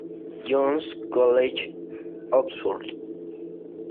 John's College, Oxford.